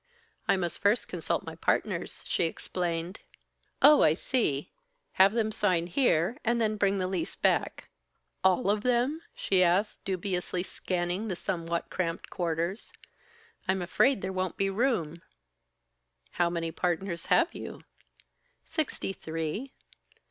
"I must first consult my partners," she explained. "Oh, I see! Have them sign here, and then bring the lease back." "All of them?" she asked, dubiously scanning the somewhat cramped quarters. "I'm afraid there won't be room." "How many partners have you?" "Sixty three."